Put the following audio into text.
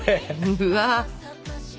うわ。